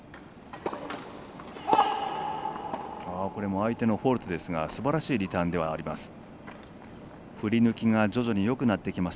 相手のフォールトですがすばらしいリターンではあります。